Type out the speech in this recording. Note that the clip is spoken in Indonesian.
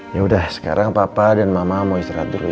yaudah sekarang papa dan mama mau istirahat dulu ya